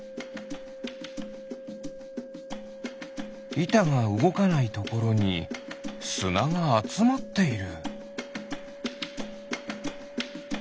いたがうごかないところにすながあつまっている。